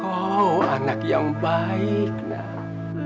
oh anak yang baik nak